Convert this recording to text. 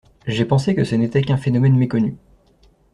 J’ai pensé que ce n’était qu’un phénomène méconnu.